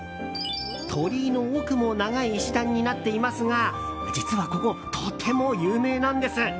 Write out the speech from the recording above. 鳥居の奥も長い石段になっていますが実はここ、とても有名なんです。